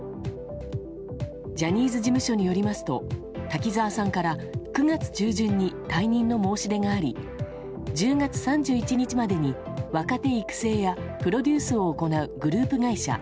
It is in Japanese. ジャニーズ事務所によりますと滝沢さんから９月中旬に退任の申し出があり１０月３１日までに若手育成やプロデュースを行うグループ会社